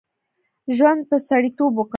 ژوند په سړیتوب وکړه.